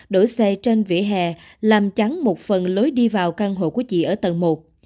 đổi xe trên vỉa hè làm chắn một phần lối đi vào căn hộ của chị ở tầng một